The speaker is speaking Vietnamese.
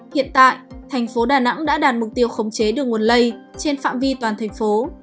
hiện tại thành phố đà nẵng đã đạt mục tiêu khống chế được nguồn lây trên phạm vi toàn thành phố